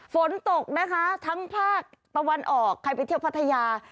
ฝนตกนะคะทั้งภาคตะวันออกใครไปเที่ยวพัทยา